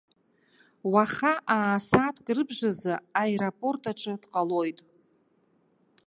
Уаха аа-сааҭк рыбжазы аеропорт аҿы дҟалоит.